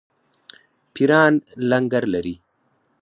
پیران لنګر لري.